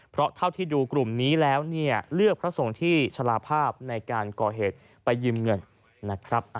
เพราะเท่าที่ดูกลุ่มนี้แล้วเนี่ยเลือกพระสงฆ์ที่ชะลาภาพในการก่อเหตุไปยืมเงินนะครับ